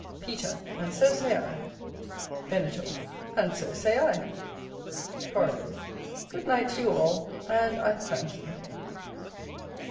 Peter. And so say I. Venator. And so say I. Coridon. Good night to you all; and I thank you.